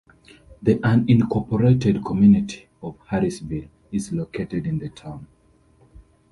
The unincorporated community of Harrisville is located in the town.